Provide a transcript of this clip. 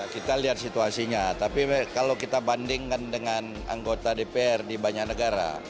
kita lihat situasinya tapi kalau kita bandingkan dengan anggota dpr di banyak negara